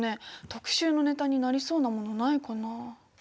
特集のネタになりそうなものないかな。